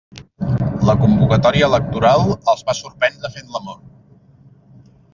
La convocatòria electoral els va sorprendre fent l'amor.